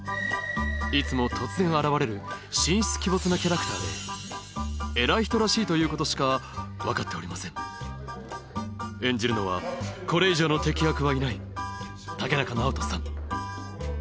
いつも突然現れる神出鬼没なキャラクターで偉い人らしいということしか分かっておりません演じるのはこれ以上の適役はいない